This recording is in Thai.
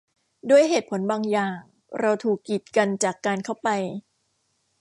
ด้วยเหตุผลบางอย่าง เราถูกกีดกันจากการเข้าไป